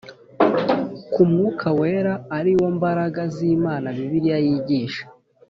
ku mwuka wera ari wo mbaraga z Imana Bibiliya yigisha